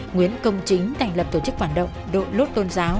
nguyễn công chính thành lập tổ chức phản động đội lốt tôn giáo